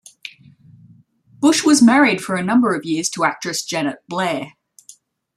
Busch was married for a number of years to actress Janet Blair.